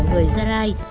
người gia lai